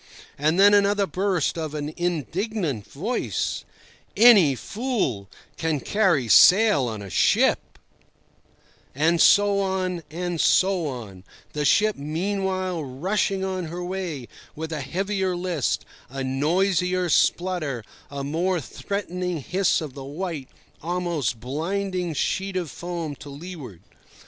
And then another burst of an indignant voice: "Any fool can carry sail on a ship—" And so on and so on, the ship meanwhile rushing on her way with a heavier list, a noisier splutter, a more threatening hiss of the white, almost blinding, sheet of foam to leeward.